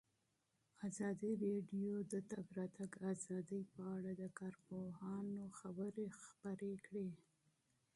ازادي راډیو د د تګ راتګ ازادي په اړه د کارپوهانو خبرې خپرې کړي.